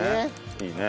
いいね。